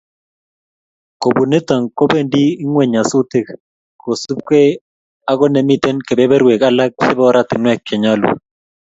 Kobun nitok kobendi ing'weny nyasutiik, kosupgei ako nemitei kebeberweek alak chebo oratinweek chenyolu